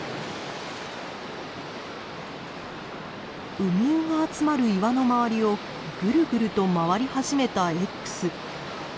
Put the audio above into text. ウミウが集まる岩の周りをグルグルと回り始めたＸ。